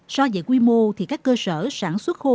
so với quy mô thì các cơ sở sản xuất khô